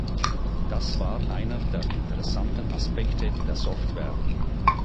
Das war einer der interessanten Aspekte der Software.